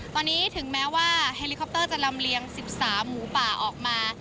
ตอนนี้ถึงแม้ว่าเฮลิคอปเตอร์จะลำเลียง๑๓หมูป่าออกมา